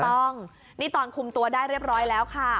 ถูกต้องนี่ตอนคุมตัวได้เรียบร้อยแล้วค่ะ